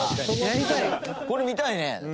これ見たいね。